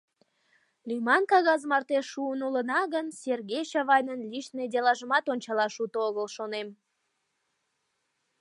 Лӱман кагаз марте шуын улына гын, Сергей Чавайнын личный делажымат ончалаш уто огыл, шонем.